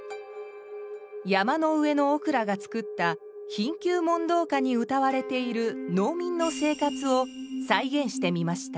山上憶良が作った「貧窮問答歌」にうたわれている農民の生活を再現してみました。